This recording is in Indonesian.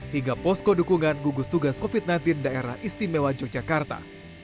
hingga posko dukungan gugus tugas covid sembilan belas daerah istimewa yogyakarta